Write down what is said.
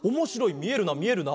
みえるなみえるな。